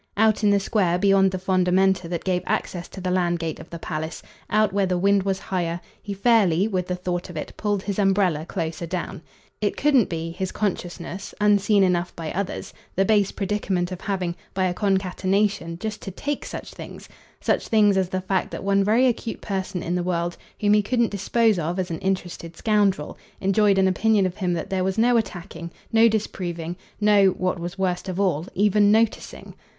Out in the square beyond the fondamenta that gave access to the land gate of the palace, out where the wind was higher, he fairly, with the thought of it, pulled his umbrella closer down. It couldn't be, his consciousness, unseen enough by others the base predicament of having, by a concatenation, just to TAKE such things: such things as the fact that one very acute person in the world, whom he couldn't dispose of as an interested scoundrel, enjoyed an opinion of him that there was no attacking, no disproving, no (what was worst of all) even noticing.